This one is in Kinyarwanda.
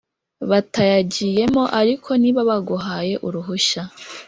Batayagiyemo ariko niba baguhaye uruhushya